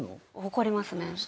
怒りますね。